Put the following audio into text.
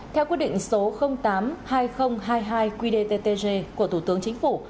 theo quyết định số tám hai nghìn hai mươi hai qdttg của thủ tướng chính phủ